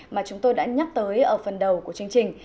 mà chúng tôi đã nhắc tới ở phần đầu của chương trình